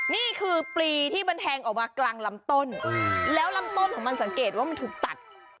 นี่คือปลีที่มันแทงออกมากลางลำต้นแล้วลำต้นของมันสังเกตว่ามันถูกตัด